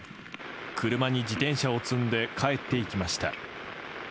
車に自転車を積んで帰っていきました。